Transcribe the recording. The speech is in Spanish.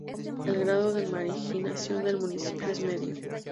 El grado de marginación del municipio es Medio.